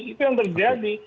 itu yang terjadi